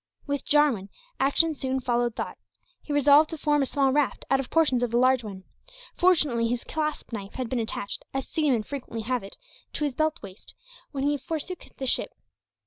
With Jarwin, action soon followed thought. He resolved to form a small raft out of portions of the large one. Fortunately his clasp knife had been attached, as seamen frequently have it, to his waist belt, when he forsook his ship.